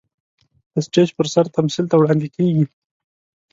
د سټېج پر سر تمثيل ته وړاندې کېږي.